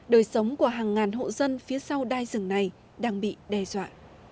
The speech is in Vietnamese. đời sống của hàng ngàn hộ dân phía sau đai rừng này đang bị đe dọa